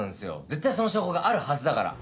絶対その証拠があるはずだから。